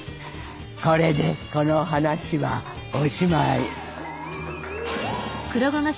これでこの話はおしまい。